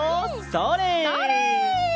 それ！